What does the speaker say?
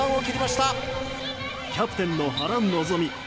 キャプテンの原希美。